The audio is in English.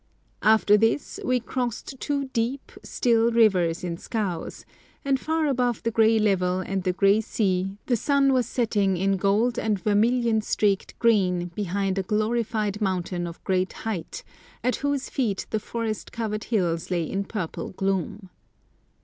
After this we crossed two deep, still rivers in scows, and far above the grey level and the grey sea the sun was setting in gold and vermilion streaked green behind a glorified mountain of great height, at whose feet the forest covered hills lay in purple gloom.